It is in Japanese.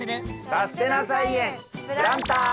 「さすてな菜園プランター」！